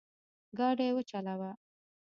ګاډی وچلوه